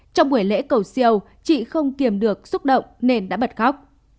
trong buổi lễ cầu siêu chị không kiềm được xúc động nên đã bật khóc